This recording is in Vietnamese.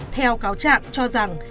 theo cáo trạng cho rằng